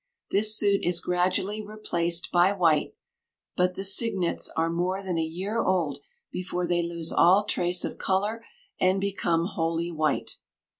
This suit is gradually replaced by white; but the cygnets are more than a year old before they lose all trace of color and become wholly white.